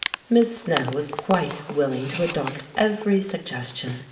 Miss Snell was quite willing to adopt every suggestion.